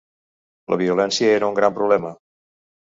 La violència era un gran problema.